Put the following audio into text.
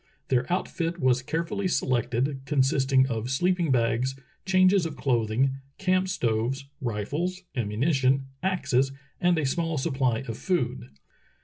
Their outfit was carefully selected, con sisting of sleeping bags, changes of clothing, camp stoves, rifles, ammunition, axes, and a small supply of food.